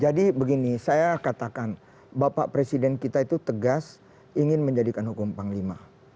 jadi begini saya katakan bapak presiden kita itu tegas ingin menjadikan hukum panglima